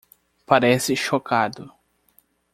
Parece chocado